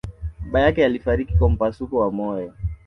baba yake alifariki kwa mpasuko wa moyo